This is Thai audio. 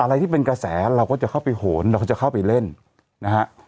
อะไรที่เป็นกระแสเราก็จะเข้าไปโหนเราก็จะเข้าไปเล่นนะฮะ